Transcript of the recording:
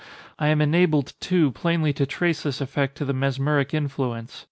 I am enabled, too, plainly to trace this effect to the mesmeric influence.